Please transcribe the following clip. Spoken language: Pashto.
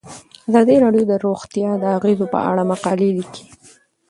ازادي راډیو د روغتیا د اغیزو په اړه مقالو لیکلي.